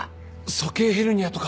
鼠蹊ヘルニアとか。